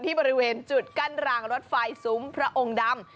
บริเวณจุดกั้นรางรถไฟซุ้มพระองค์ดำ